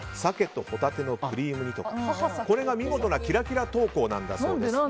鮭とホタテのクリーム煮」とか、これが見事なキラキラ投稿だそうです。